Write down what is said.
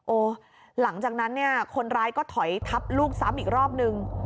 หลังจากนั้นเนี่ยคนร้ายก็ถอยทับลูกซ้ำอีกรอบนึง